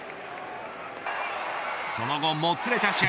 その後、もつれた試合。